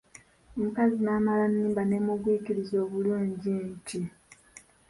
Omukazi n’amala annimba ne mugwikiriza obulungi nti!